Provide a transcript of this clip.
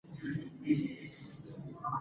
د خوشال په شاعرۍ کې واقعي ښځه